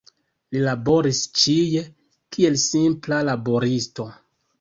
Li laboris ĉie, kiel simpla laboristo.